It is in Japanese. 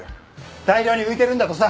大量に浮いてるんだとさ。